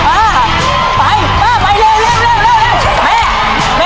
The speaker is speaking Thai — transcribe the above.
ไอ้หนูใส่เลยลูกใส่เข้าไป